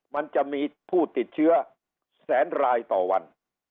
มันจะมีผู้ติดเชื้อแสนรายต่อวัน